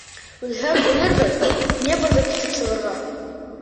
Үлһәк үлербеҙ, Днепрҙы кисеп сығырға.